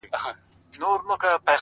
د زړه روح د زړه ارزښته قدم اخله;